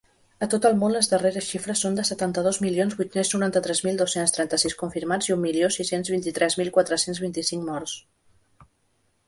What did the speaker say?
A tot el món, les darreres xifres són de setanta-dos milions vuit-cents noranta-tres mil dos-cents trenta-sis confirmats i un milió sis-cents vint-i-tres mil quatre-cents vint-i-cinc morts.